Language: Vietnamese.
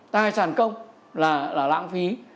tài sản công là lãng phí